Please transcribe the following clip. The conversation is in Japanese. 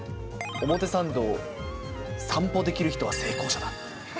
表参道を散歩できる人は成功者だと。